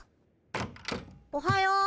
おはよう。